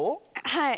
はい。